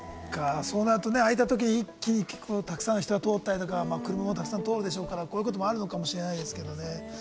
そうなると開いたときに一気にたくさんの人が通ったりとか車もたくさん通るでしょうから、こういうこともあるのかもしれないですけれどもね。